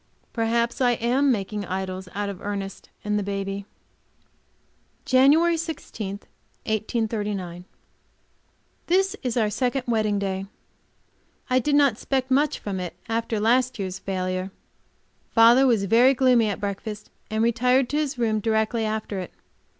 Perhaps I am making idols out of Ernest and the baby. JANUARY 16, 1839. This is our second wedding day. I did not expect much from it, after last year's failure. Father was very gloomy at breakfast, and retired to his room directly after it.